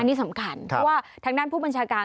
นี่สำคัญเพราะว่าทางด้านผู้บัญชาการ